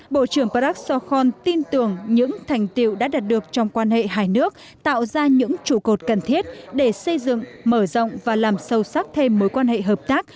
bộ trưởng prak sokhon tin tưởng những thành tiệu đã đạt được trong quan hệ hai nước tạo ra những trụ cột cần thiết để xây dựng mở rộng và làm sâu sắc thêm mối quan hệ hợp tác